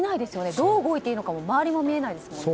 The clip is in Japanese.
どう動いていいか周りも見えないですもんね。